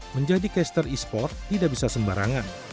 menjadi caster e sport tidak bisa sembarangan